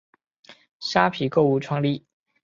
虾皮购物创立。